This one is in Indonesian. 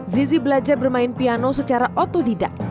zizi belajar bermain piano secara otodidak